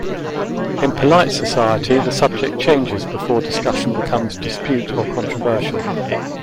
In polite society the subject changes before discussion becomes dispute or controversial.